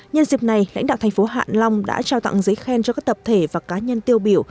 nhân dịp này lãnh đạo thành phố hạ long đã trao tặng giấy khen cho các tập thể và cá nhân tiêu biểu